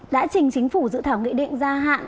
đã trình chính phủ dự thảo nghị định gia hạn